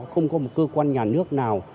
không có một cơ quan nhà nước nào